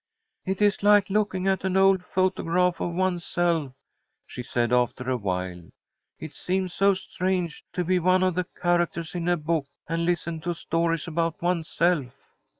"It is like looking at an old photograph of oneself," she said, after awhile. "It seems so strange to be one of the characters in a book, and listen to stories about oneself."